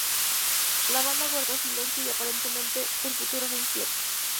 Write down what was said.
La banda guardó silencio y, aparentemente, el futuro era incierto.